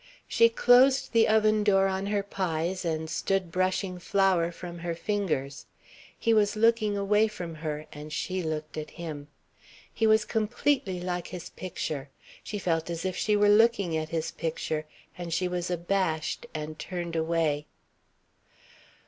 She closed the oven door on her pies and stood brushing flour from her fingers. He was looking away from her, and she looked at him. He was completely like his picture. She felt as if she were looking at his picture and she was abashed and turned away.